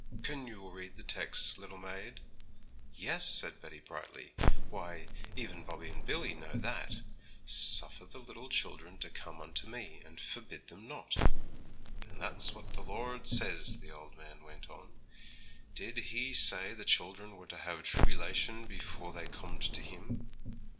'Can you read the tex', little maid?' 'Yes,' said Betty brightly; 'why, even Bobby and Billy know that: "Suffer the little children to come unto Me, and forbid them not."' 'And that's what the Lord says,' the old man went on; 'did He say the children were to have tribbylation afore they comed to Him?